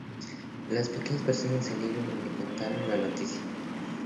Las pequeñas personas salieron y le contaron la noticia.